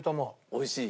おいしい？